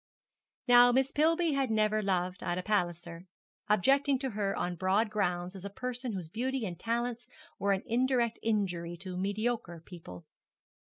Now Miss Pillby had never loved Ida Palliser, objecting to her on broad grounds as a person whose beauty and talents were an indirect injury to mediocre people.